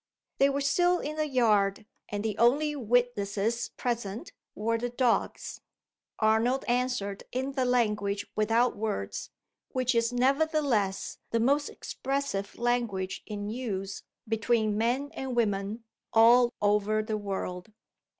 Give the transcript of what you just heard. They were still in the yard; and the only witnesses present were the dogs. Arnold answered in the language without words which is nevertheless the most expressive language in use, between men and women, all over the world.